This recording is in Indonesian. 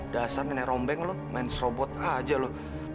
dasar nenek rombeng lo main sobot aja lo